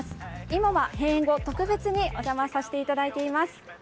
今は閉園後、特別にお邪魔させていただいています。